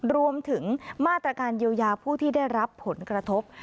รวมถึงมาตรการเยียวยาผู้ที่ได้รับผลกระทบ